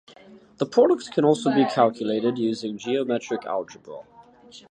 The product can also be calculated using geometric algebra.